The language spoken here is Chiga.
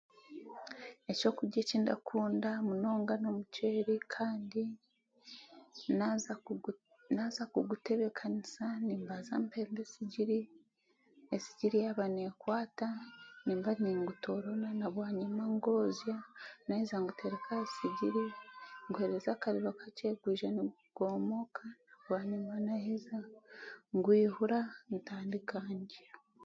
Ekyokurya eki ndakunda munonga n'omuceeri kandi naaza naaza kugutebekaniisa nimbaza mpemba esigiri, esigiri yaaba n'ekwata nimba ningutoorona nabwanyima ngwoza naaheza ngutereka ahari sigiri naaheza nguheereza akariro kakye gwiza nigwomooka bwanyima naaheza kwihura ntandika ndya